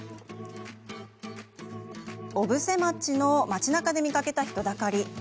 小布施の町なかで見かけた人だかり。